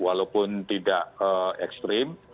walaupun tidak ekstrim